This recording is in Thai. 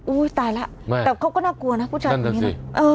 อุ้ยตายแล้วแต่เขาก็น่ากลัวนะอันนั้นสิ